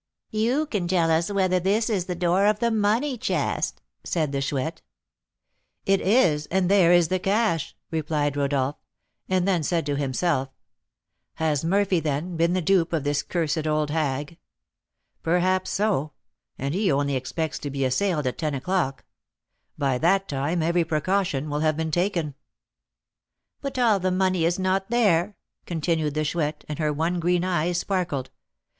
"You can tell us whether this is the door of the money chest," said the Chouette. "It is, and there is the cash," replied Rodolph; and then said to himself, "Has Murphy, then, been the dupe of this cursed old hag? Perhaps so, and he only expects to be assailed at ten o'clock; by that time every precaution will have been taken." "But all the money is not there," continued the Chouette, and her one green eye sparkled.